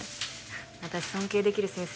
私尊敬できる先生